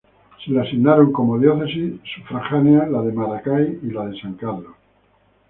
Se le asignaron como Diócesis Sufragáneas la de Maracay y la de San Carlos.